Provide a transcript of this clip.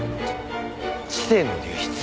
知性の流出。